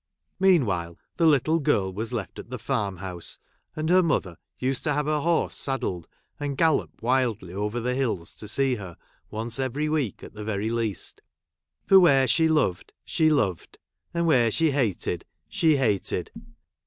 Meanwhile, the little girl was left at the farm house, and her mother used to have her horse saddled j and gallop wildly over the hills to see her ! once every week, at the very least — for where she loved, she loved ; and wdiei'e she hated, she hated.